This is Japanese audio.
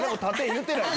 言うてない。